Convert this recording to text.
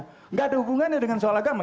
tidak ada hubungannya dengan soal agama